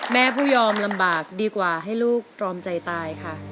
แม่ผู้ยอมลำบากดีกว่าให้ลูกตรอมใจตายค่ะ